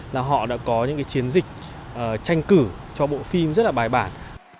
là họ đã có những cái chiến dịch tranh cử cho bộ phim rất là bài bản